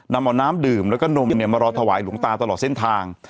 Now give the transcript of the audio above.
นำเอาน้ำดื่มแล้วก็นมมารอถวายหลวงตาตลอดเส้นทาง